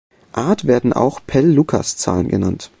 Art werden auch "Pell-Lucas Zahlen" genannt.